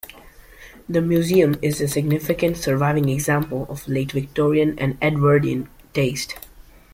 The museum is a significant surviving example of late Victorian and Edwardian taste.